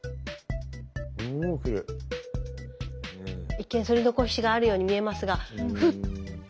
一見そり残しがあるように見えますがフッ！